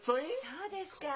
そうですか。